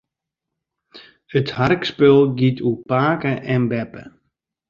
It harkspul giet oer pake en beppe.